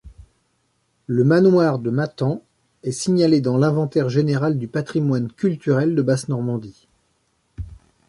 Le manoir de Mathan est signalé dans l'inventaire général du patrimoine culturel de Basse-Normandie.